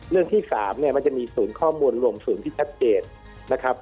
เรื่องที่๓มันจะมีศูนย์ข้อมูลรวมศูนย์ที่ชัดเจน